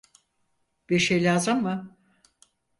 Bir şey lazım mı?